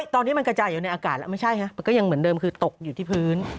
ตอนนี้มันกระจายอยู่ในอากาศแล้วไม่ใช่ฮะมันก็ยังเหมือนเดิมคือตกอยู่ที่พื้น